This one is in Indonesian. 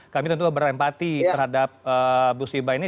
kami tentu berempati terhadap bu siba ini